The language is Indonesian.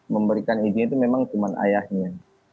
memberikan izin itu memang cuma ayahnya